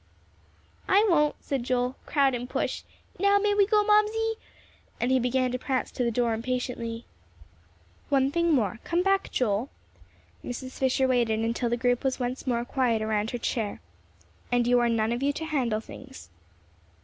"I won't," said Joel, "crowd and push. Now may we go, Mamsie?" and he began to prance to the door impatiently. "One thing more. Come back, Joel." Mrs. Fisher waited until the group was once more quiet around her chair. "And you are none of you to handle things."